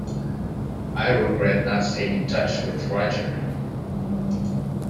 I regret not staying in touch with Roger.